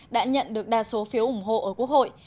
đã nhận được đa số phiếu ủng hộ ở quốc hội